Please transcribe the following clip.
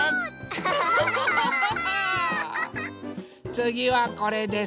つぎはこれです。